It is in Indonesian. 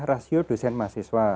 rasio dosen mahasiswa